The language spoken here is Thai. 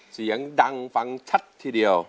เสียงดังฟังชัดทีเดียว